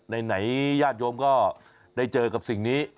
ไหนญาติโยมก็ได้เจอกับสิ่งนี้